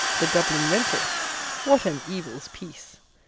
The doubling rental? What an evil's peace!